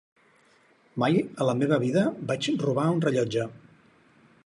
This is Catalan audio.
Mai a la meva vida vaig robar un rellotge.